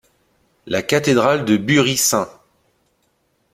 La cathédrale de Bury St.